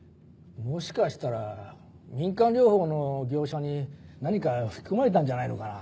もしかしたら民間療法の業者に何か吹き込まれたんじゃないのかな。